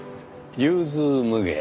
融通無碍。